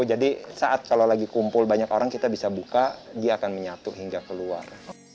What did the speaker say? jadi saat kalau lagi kumpul banyak orang kita bisa buka dia akan menyatu hingga keluar